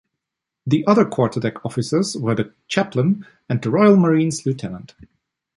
The other quarterdeck officers were the chaplain and a Royal Marines lieutenant.